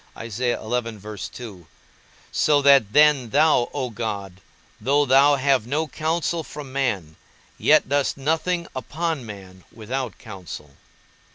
So that then thou, O God, though thou have no counsel from man, yet dost nothing upon man without counsel.